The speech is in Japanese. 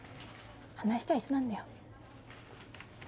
話したい人なんだよ。